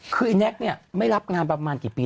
คือเน็กเนี่ยไม่รับงานอีกปี